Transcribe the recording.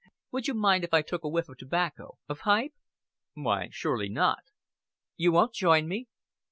Would you mind if I took a whiff of tobacco a pipe?" "Why, surely not." "You won't join me?"